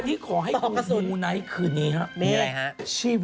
พี่ปุ้ยลูกโตแล้ว